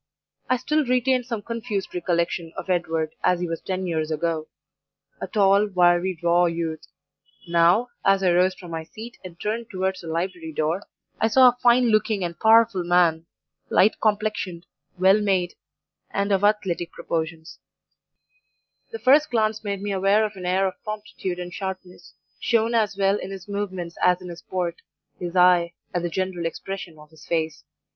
"I still retained some confused recollection of Edward as he was ten years ago a tall, wiry, raw youth; NOW, as I rose from my seat and turned towards the library door, I saw a fine looking and powerful man, light complexioned, well made, and of athletic proportions; the first glance made me aware of an air of promptitude and sharpness, shown as well in his movements as in his port, his eye, and the general expression of his face.